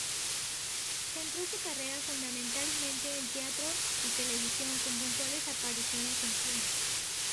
Centró su carrera fundamentalmente en teatro y televisión, con puntuales apariciones en cine.